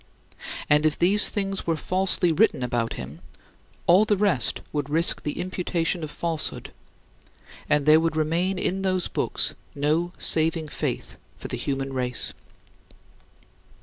And if these things were falsely written about him, all the rest would risk the imputation of falsehood, and there would remain in those books no saving faith for the human race.